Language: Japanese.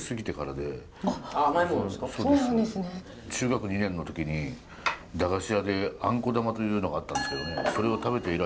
中学２年の時に駄菓子屋であんこ玉というのがあったんですけどそれを食べて以来。